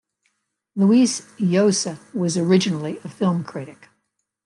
Luis Llosa was originally a film critic.